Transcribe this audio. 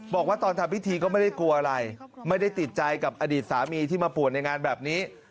บอกว่าตอนทำพิธีก็ไม่ได้กลัวอะไรไม่ได้ติดใจกับอดีตสามีที่มาป่วนในงานแบบนี้